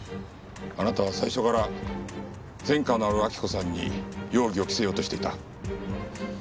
あなたは最初から前科のある亜希子さんに容疑を着せようとしていた。